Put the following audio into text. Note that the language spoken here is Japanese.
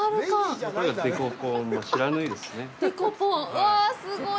うわあ、すごい。